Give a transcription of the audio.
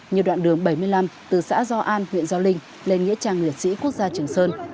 nhiều đoạn đường bảy mươi năm từ xã do an huyện gio linh lên nghĩa trang liệt sĩ quốc gia trường sơn